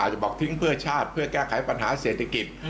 จะบอกทิ้งเพื่อชาติเพื่อแก้ไขปัญหาเศรษฐกิจ